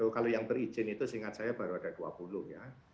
kalau yang berizin itu seingat saya baru ada dua puluh ya